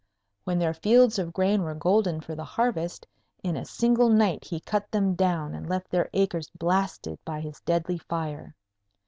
When their fields of grain were golden for the harvest, in a single night he cut them down and left their acres blasted by his deadly fire.